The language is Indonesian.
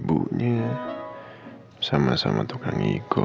udah cowok kan